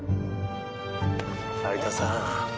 有田さん